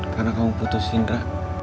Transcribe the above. karena kamu putusin ra